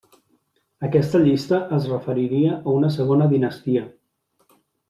Aquesta llista es referiria a una segona dinastia.